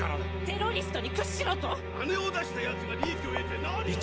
テロリストにくっしろと⁉金を出したやつが利益を得て何が悪い！